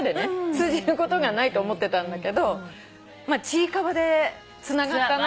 通じることがないって思ってたんだけど『ちいかわ』でつながったなって。